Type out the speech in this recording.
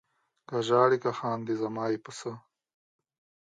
که ژاړې که خاندې زما یې په څه؟